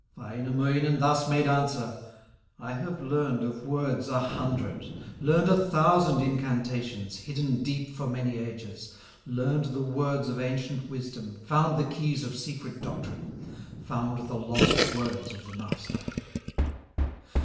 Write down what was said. Wainamoinen thus made answer: "I have learned of words a hundred, Learned a thousand incantations, Hidden deep for many ages, Learned the words of ancient wisdom, Found the keys of secret doctrine, Found the lost words of the Master."